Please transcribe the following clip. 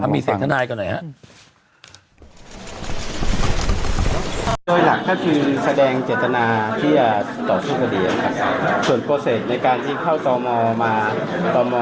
มีเสียงทนายก่อนหน่อยครับ